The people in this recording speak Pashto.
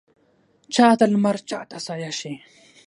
چا ته لمر چا ته سایه شي